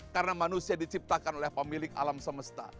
karena manusia diciptakan oleh pemilik alam semesta